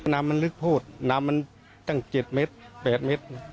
น้ำมันลึกพูดน้ำมันตั้ง๗เมตร๘เมตร